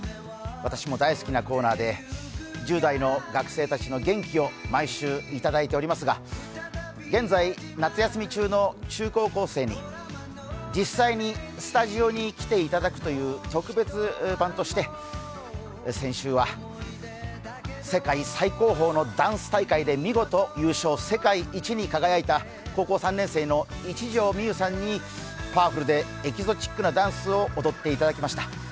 私も大好きなコーナーで１０代の学生たちの元気を毎週いただいておりますが、現在、夏休み中の中高校生に実際にスタジオに来ていただくという特別版として、先週は世界最高峰のダンス大会で見事優勝、世界一に輝いた高校３年生の一条未悠さんにパワフルなダンスを踊っていただきました。